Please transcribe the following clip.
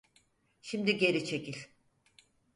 Şimdi geri çekil.